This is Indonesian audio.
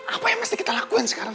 apa yang mesti kita lakukan sekarang